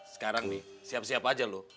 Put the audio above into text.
sekarang nih siap siap aja loh